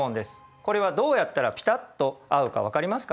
これはどうやったらピタっと合うか分かりますか？